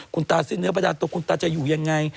คุณตาสิ้นเนื้อประดานตัวคุณตาจะอยู่ยังไง